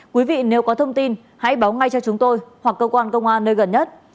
quý vị nếu có thông tin hãy báo ngay cho chúng tôi hoặc cơ quan công an nơi gần nhất